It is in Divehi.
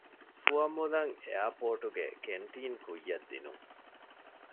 ފުވައްމުލައް އެއަރޕޯޓުގެ ކެންޓީން ކުއްޔަށްދިނުން